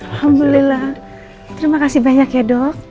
alhamdulillah terima kasih banyak ya dok